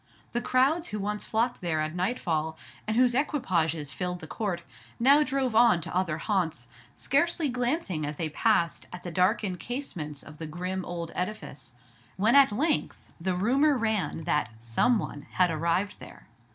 The crowds who once flocked there at nightfall, and whose equipages filled the court, now drove on to other haunts, scarcely glancing as they passed at the darkened casements of the grim old edifice; when at length the rumor ran that "some one" had arrived there.